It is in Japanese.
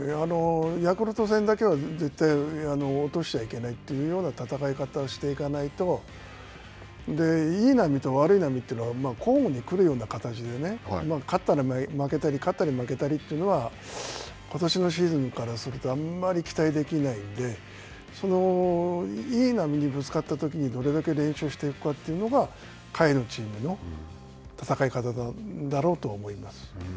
ヤクルト戦だけは絶対落としちゃいけないというような戦い方をしていかないと、いい波と悪い波というのは、交互に来るような形で、勝ったり、負けたりというのは、ことしのシーズンからするとあんまり期待できないので、いい波にぶつかったときにどれだけ連勝していくかというのが下位のチームの戦い方だろうとは思います。